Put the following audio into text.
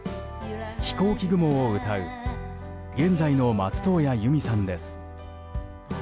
「ひこうき雲」を歌う現在の松任谷由実さんです。